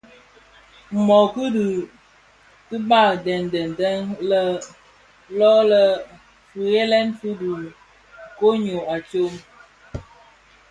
Mōōki dhi a diba deň deň deň yè lō lè fighèlèn fi dhi koň ňyô a tsom.